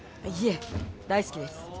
いいえ大好きです。